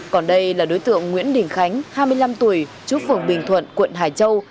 còn đây là đối tượng nguyễn đình khánh hai mươi năm tuổi chú phường bình thuận quận hải châu